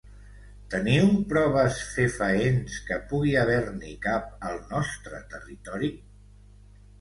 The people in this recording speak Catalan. Teniu proves fefaents que pugui haver-n’hi cap al nostre territori?